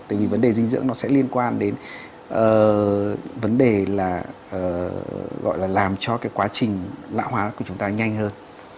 tại vì vấn đề dinh dưỡng nó sẽ liên quan đến vấn đề là gọi là làm cho cái quá trình lão hóa của chúng ta nhanh hơn